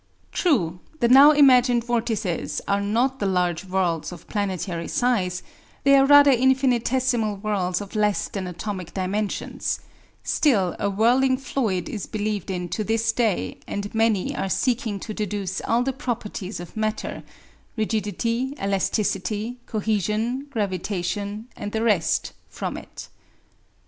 True, the now imagined vortices are not the large whirls of planetary size, they are rather infinitesimal whirls of less than atomic dimensions; still a whirling fluid is believed in to this day, and many are seeking to deduce all the properties of matter (rigidity, elasticity, cohesion gravitation, and the rest) from it.